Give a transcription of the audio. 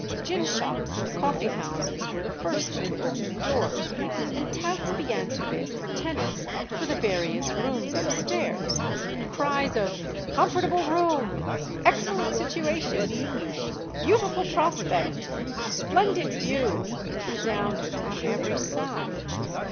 Gin shops and coffee houses were the first to open doors, and touts began to bid for tenants for the various rooms upstairs. Cries of "Comfortable room!" "Excellent situation!" "Beautiful prospect!" "Splendid view!" resounded on every side.